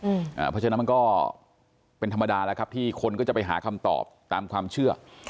เพราะฉะนั้นมันก็เป็นธรรมดาแล้วครับที่คนก็จะไปหาคำตอบตามความเชื่อ